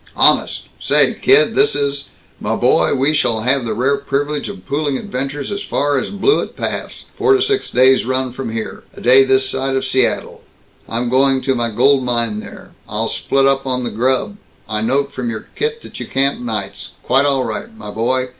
"Honest? Say, kid, this is Muh boy, we shall have the rare privilege of pooling adventures as far as Blewett Pass, four to six days' run from here a day this side of Seattle. I'm going to my gold mine there. I'll split up on the grub I note from your kit that you camp nights. Quite all right, my boy.